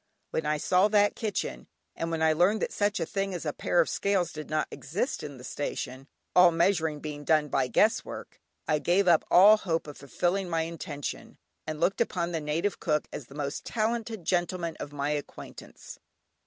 When I saw that kitchen, and when I learned that such a thing as a pair of scales did not exist in the station, all measuring being done by guess work, I gave up all hope of fulfilling my intention, and looked upon the native cook as the most talented gentleman of my acquaintance.